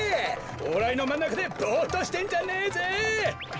おうらいのまんなかでぼっとしてんじゃねえぜ！